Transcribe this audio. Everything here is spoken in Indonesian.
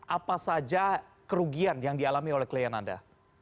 apa saja kerugian yang dialami oleh klien anda